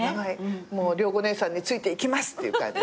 良子姉さんについていきますっていう感じ。